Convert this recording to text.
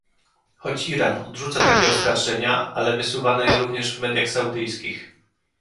Choć Iran odrzuca takie oskarżenia, ale wysuwano je również w mediach saudyjskich